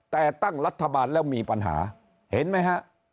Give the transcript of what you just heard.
แต่ตั้งรัฐบาลแล้วมีปัญหาเห็นไหมฮะ